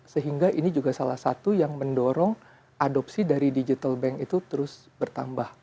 sehingga ini juga salah satu yang mendorong adopsi dari digital bank itu terus bertambah